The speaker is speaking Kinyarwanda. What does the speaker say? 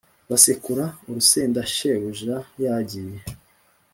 basekura urusenda shebuja yagiye